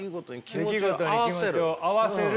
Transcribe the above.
出来事に気持ちを合わせる。